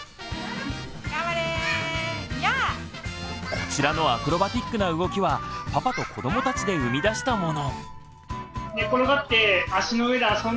こちらのアクロバティックな動きはパパと子どもたちで生み出したもの。